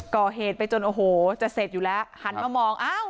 ก่อเหตุไปจนโอ้โหจะเสร็จอยู่แล้วหันมามองอ้าว